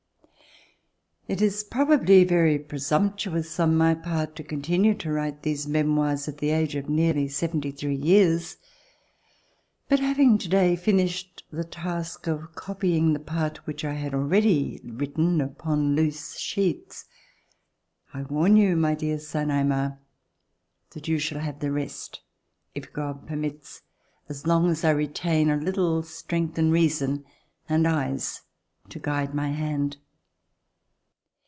IT is probably very presumptuous on my part to continue to write these memoirs at the age of nearly seventy three years. But having to day finished the task of copying the part which I had already written upon loose sheets, I warn you, my dear son, Aymar, that you shall have the rest if God permits, as long as I retain a little strength and reason and eyes to guide my hand.